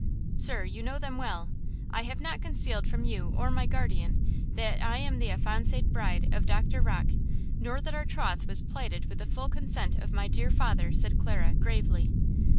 "Sir, you know them well. I have not concealed from you or my guardian that I am the affianced bride of Doctor Rocke, nor that our troth was plighted with the full consent of my dear father," said Clara, gravely.